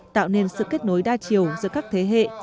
tạo nên sự kết nối đa chiều giữa các thế hệ